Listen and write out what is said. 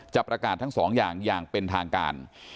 จะประกาศทั้งสองอย่างอย่างเป็นทางการ